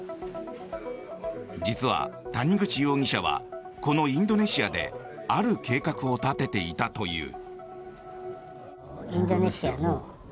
実は、谷口容疑者はこのインドネシアである計画を立てていたという。